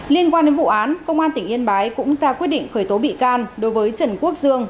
liên quan đến vụ án công an tỉnh yên bái cũng ra quyết định khởi tố bị can đối với trần quốc dương